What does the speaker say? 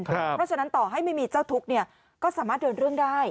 เพราะฉะนั้นต่อให้ไม่มีเจ้าทุกข์ก็สามารถเดินเรื่องได้